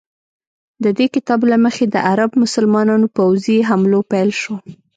د دې کتاب له مخې د عرب مسلمانانو پوځي حملو پیل شو.